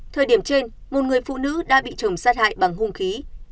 thời điểm trên một người phụ nữ đã bị chồng sát hại bằng hung khí